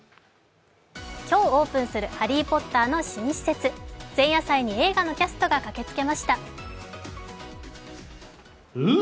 今日オープンする「ハリー・ポッター」の新施設、前夜祭に映画のキャストが駆けつけました。